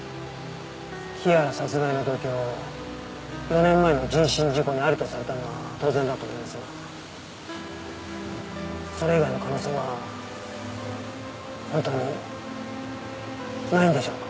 日原殺害の動機を４年前の人身事故にありとされたのは当然だと思いますがそれ以外の可能性は本当にないんでしょうか？